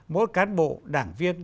mỗi cán bộ đảng viên